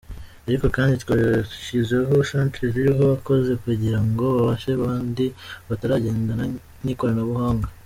Ariko kandi twashyizeho centre ziriho abakozi kugira ngo bafashe babandi bataragendana n’ikoranabuhanga.